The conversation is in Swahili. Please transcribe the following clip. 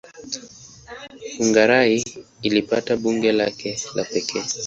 Hungaria ilipata bunge lake la pekee.